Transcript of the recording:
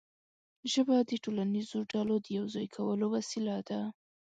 ژبه د ټولنیزو ډلو د یو ځای کولو وسیله ده.